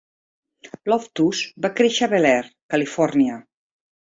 Loftus va créixer a Bel Air, California.